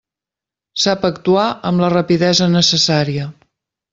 Sap actuar amb la rapidesa necessària.